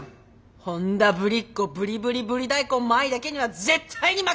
本田ブリっ子ブリブリブリ大根麻衣だけには絶対に負けられない！